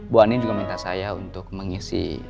bu ani juga minta saya untuk mengisi